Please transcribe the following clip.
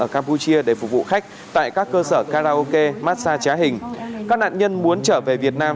ở campuchia để phục vụ khách tại các cơ sở karaoke massag trá hình các nạn nhân muốn trở về việt nam